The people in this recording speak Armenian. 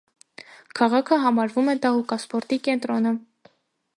Քաղաքը համարվում է դահուկասպորտի կենտրոնը։